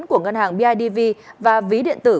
của ngân hàng bidv và ví điện tử